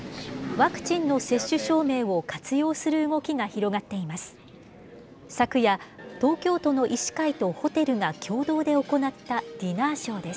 ワクチンの接種証明を活用する動きが広がっています。